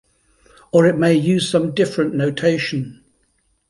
Or it may use some different notation.